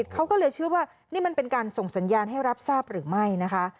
เขาก็เลยเชื่อว่านี่มันเป็นการส่งสัญญาณให้รับทราบหรือไม่นะคะ